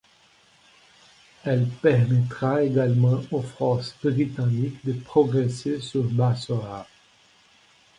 Elle permettra également aux forces britanniques de progresser sur Bassorah.